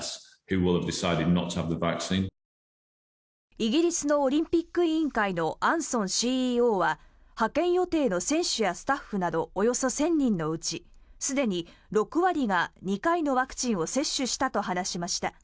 イギリスのオリンピック委員会のアンソンＣＥＯは派遣予定の選手やスタッフなどおよそ１０００人のうちすでに６割が２回のワクチンを接種したと話しました。